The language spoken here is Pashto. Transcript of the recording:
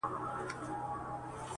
باز له ليري را غوټه له شنه آسمان سو؛